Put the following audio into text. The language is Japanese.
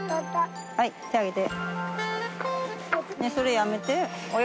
はい手上げて。